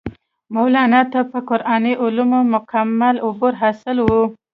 مولانا ته پۀ قرآني علومو مکمل عبور حاصل وو